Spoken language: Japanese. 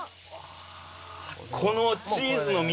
このチーズの道。